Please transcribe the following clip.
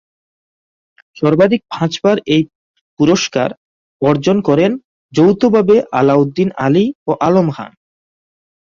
সর্বাধিক পাঁচবার এই পুরস্কার অর্জন করেন যৌথভাবে আলাউদ্দিন আলী ও আলম খান।